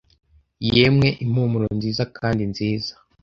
yemwe impumuro nziza kandi nziza